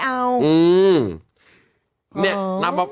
ด้านถองเหลืองไม่ได้เอา